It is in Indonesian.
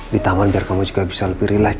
di taman biar kamu juga bisa lebih relax